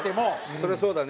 それはそうだね。